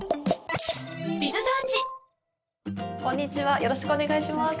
こんにちはよろしくお願いします。